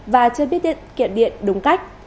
và chưa biết kiện điện đúng cách